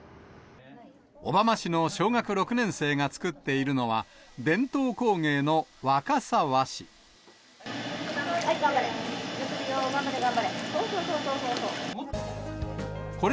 小浜市の小学６年生が作っているのは、頑張れ、頑張れ。